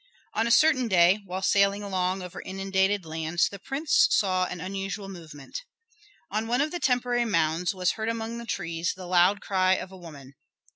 On a certain day, while sailing along over inundated lands, the prince saw an unusual movement. On one of the temporary mounds was heard among the trees the loud cry of a woman.